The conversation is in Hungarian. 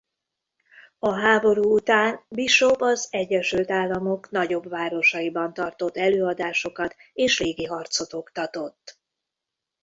A háború után Bishop az Egyesült Államok nagyobb városaiban tartott előadásokat és légiharcot oktatott.